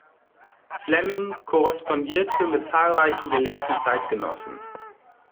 Flemming korrespondierte mit zahlreichen gelehrten Zeitgenossen.